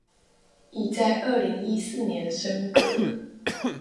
已在二零一四年升格